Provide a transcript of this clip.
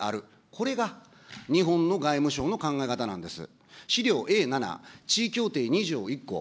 これが日本の外務省の考え方なんです。